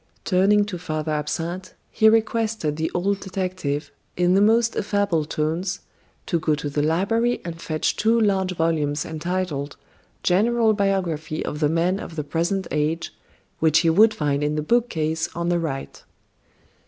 Turning to Father Absinthe, he requested the old detective, in the most affable tones, to go to the library and fetch two large volumes entitled: "General Biography of the Men of the Present Age," which he would find in the bookcase on the right.